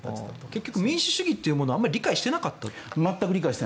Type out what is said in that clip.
結局民主主義というものをあまり理解していなかった？